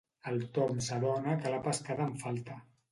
El Tom s'adona que l'ha pescada en falta.